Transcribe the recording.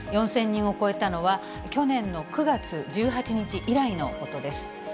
４０００人を超えたのは、去年の９月１８日以来のことです。